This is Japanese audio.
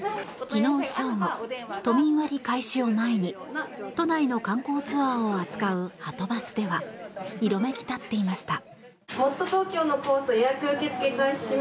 昨日正午、都民割開始を前に都内の観光ツアーを扱うはとバスでは色めき立っていました。